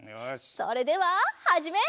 それでははじめい！